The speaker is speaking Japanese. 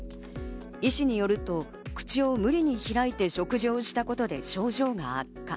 医師によると、口を無理に開いて食事をしたことで症状が悪化。